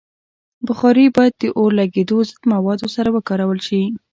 بخاري باید د اورلګیدو ضد موادو سره وکارول شي.